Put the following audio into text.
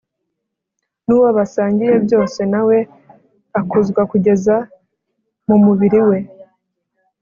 n’uwo basangiye byose na we akuzwa kugeza mu mubiri we